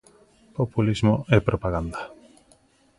Populismo e propaganda.